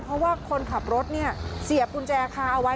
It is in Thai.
เพราะว่าคนขับรถเนี่ยเสียบกุญแจคาเอาไว้